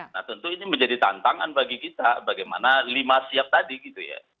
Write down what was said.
nah tentu ini menjadi tantangan bagi kita bagaimana lima siap tadi gitu ya